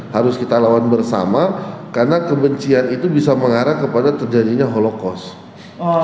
harus kita lawan bersama karena kebencian itu bisa mengarah kepada terjadinya holocos